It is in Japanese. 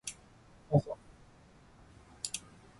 あさ